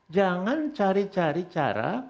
jangan cari cari cara